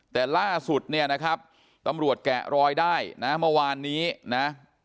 แต่ล่าสุดเนี่ยนะครับตำรวจแกะรอยได้นะเมื่อวานนี้นะ